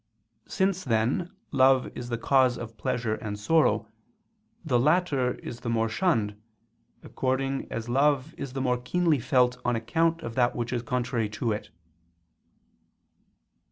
Since then love is the cause of pleasure and sorrow, the latter is the more shunned, according as love is the more keenly felt on account of that which is contrary to it.